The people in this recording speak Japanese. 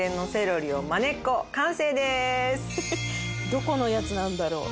どこのやつなんだろう。